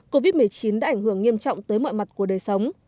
covid một mươi chín đã ảnh hưởng nghiêm trọng tới mọi mặt của đời sống